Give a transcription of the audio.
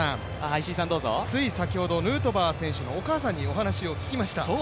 つい先ほどヌートバー選手のお母さんにお話を聞きました。